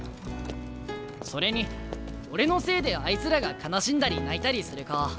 それに俺のせいであいつらが悲しんだり泣いたりする顔